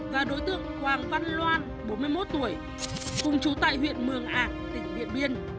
và đối tượng hoàng văn loan bốn mươi một tuổi cùng trú tại huyện mường ả tỉnh điện biên